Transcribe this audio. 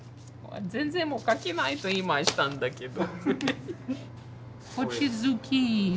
全然書けないと言いましたんだけど。